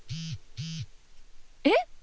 えっ！